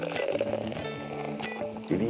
エビ